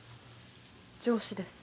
上司です。